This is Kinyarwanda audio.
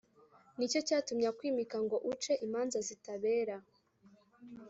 Ni cyo cyatumye akwimika ngo uce imanza zitabera